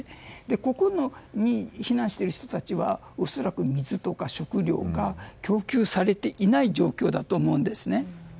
ここに避難している人たちは恐らく水とか食料が供給されていない状況だと思うんですね。